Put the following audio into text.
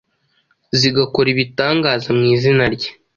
zigakora ibitangaza mu izina rye,